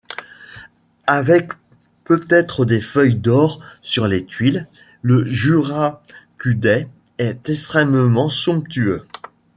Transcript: Avec peut-être des feuille d'or sur les tuiles, le Jūrakudai est extrêmement somptueux.